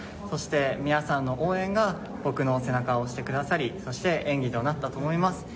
そして、皆さんの応援が僕の背中を押してくださり、そして演技となったと思います。